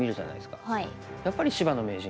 やっぱり芝野名人。